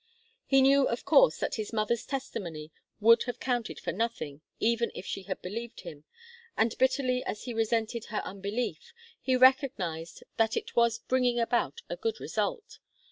He knew, of course, that his mother's testimony would have counted for nothing, even if she had believed him, and bitterly as he resented her unbelief, he recognized that it was bringing about a good result.